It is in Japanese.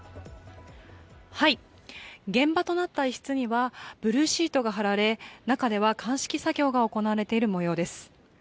現場となった一室にはブルーシートが張られ、中では鑑識作業が行われているもようです。